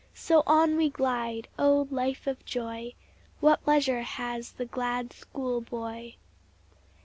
So on we glide O, life of joy; What pleasure has the glad school boy!